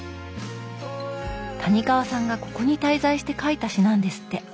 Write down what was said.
谷川さんがここに滞在して書いた詩なんですって。